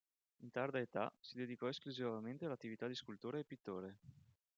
In tarda età, si dedicò esclusivamente all'attività di scultore e pittore.